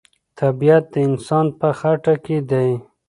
طبیعت د انسان په خټه کې دی.